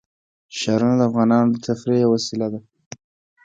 ښارونه د افغانانو د تفریح یوه وسیله ده.